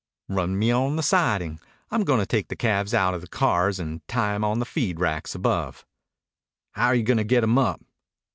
"Run me on the siding. I'm gonna take the calves out of the cars and tie 'em on the feed racks above." "How're you goin' to get 'em up?"